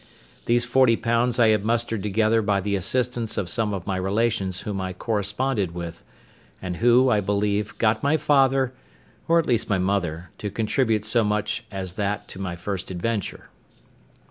These £40 I had mustered together by the assistance of some of my relations whom I corresponded with; and who, I believe, got my father, or at least my mother, to contribute so much as that to my first adventure.